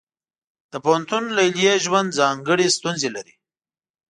د پوهنتون لیلیې ژوند ځانګړې ستونزې لري.